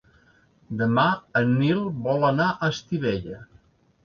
Demà en Nil vol anar a Estivella.